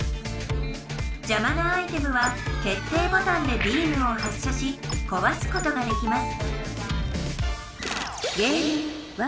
じゃまなアイテムは決定ボタンでビームを発射しこわすことができます